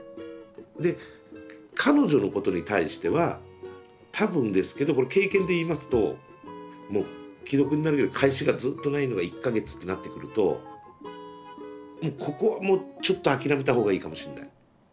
で彼女のことに対しては多分ですけどこれ経験で言いますともう既読になるけど返しがずっとないのが１か月ってなってくるとここはもうちょっと諦めた方がいいかもしれない。